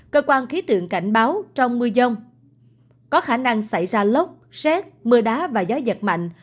cơ quan khí tượng cảnh báo trong mưa dông có khả năng xảy ra lốc xét mưa đá và gió giật mạnh